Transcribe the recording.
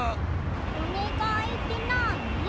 おねがいってなに？